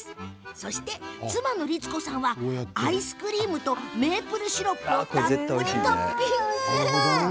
そして、妻の律子さんはアイスクリームとメープルシロップをたっぷりトッピング。